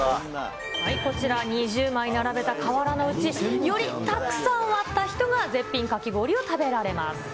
こちら、２０枚並べた瓦のうち、よりたくさん割った人が絶品かき氷を食べられます。